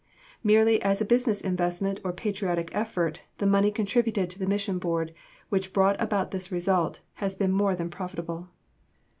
Merely as a business investment or a patriotic effort, the money contributed to the Mission Board, which brought about this result, has been more than profitable.